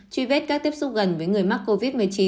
truy vết các tiếp xúc gần với người mắc covid một mươi chín